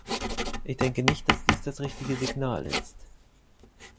Ich denke nicht, dass dies das richtige Signal ist.